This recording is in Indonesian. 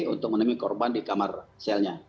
untuk menemui korban di kamar selnya